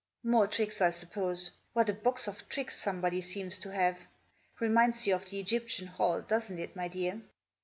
" More tricks, I suppose. What a box of tricks somebody seems to have. Reminds you of the Egyptian Hall, doesn't it, my dear?